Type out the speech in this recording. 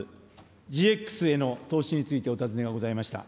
ＧＸへの投資についてのお尋ねがございました。